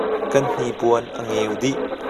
Kan hnipuan a ngeu dih.